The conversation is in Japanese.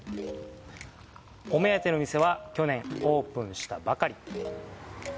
お目当ての店は去年オープンしたばかり。